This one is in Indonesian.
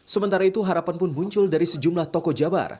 sementara itu harapan pun muncul dari sejumlah tokoh jabar